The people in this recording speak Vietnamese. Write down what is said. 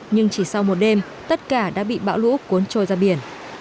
nó bị bão lũ cuốn trôi ra biển